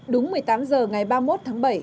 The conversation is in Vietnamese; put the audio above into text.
đúng một mươi tám h ngày ba mươi một tháng bảy